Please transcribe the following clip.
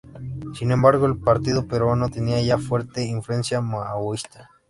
Sin embargo el partido peruano tenía ya fuerte influencia maoísta.